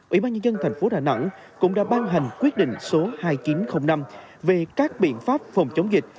ủy ban nhân dân thành phố đà nẵng cũng đã ban hành quyết định số hai nghìn chín trăm linh năm về các biện pháp phòng chống dịch